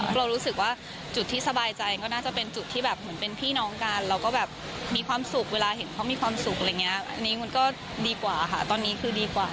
ก่อนรู้สึกว่าจุดที่สบายใจก็น่าจะเป็นจุดที่แบบเหมือนเป็นพี่น้องกันแล้วก็แบบมีความสุขเวลาเห็นเค้ามีความสุขอันนี้ก็ดีกว่าขาตอนนี้คือดีกว่ามาก